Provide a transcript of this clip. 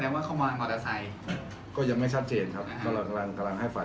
ว่าเข้ามามอเตอร์ไซค์ก็ยังไม่ชัดเจนครับก็เรากำลังให้ฝ่าย